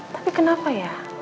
tapi kenapa ya